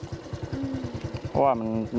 ไม่แน่ครับไม่แน่เหมือนกัน